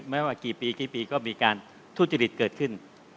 ไม่ว่ากี่ปีกี่ปีก็มีการทุจริตเกิดขึ้น